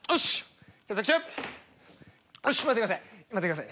待ってください。